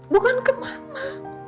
bukan ke mama